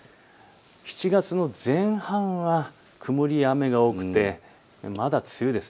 ７月の前半は曇りや雨が多くてまだ梅雨です。